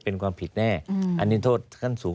เป็นความผิดแน่อันนี้โทษขั้นสูง